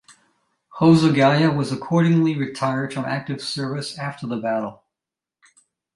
Hosogaya was accordingly retired from active service after the battle.